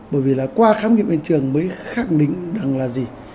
bởi vì là qua khám nghiệm hiện trường mới khẳng định rằng là gì